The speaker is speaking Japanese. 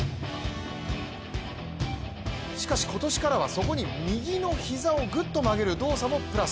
しかし今年からは、そこに右の膝をぐっと曲げる動作もプラス。